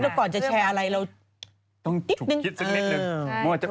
แล้วก่อนจะแชร์อะไรเราต้องฉุกคิดสักนิดนึง